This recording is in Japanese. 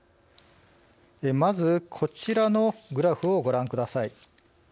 まずこちらのグラフをご覧ください。